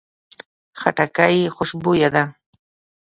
خټکی خوشبویه ده.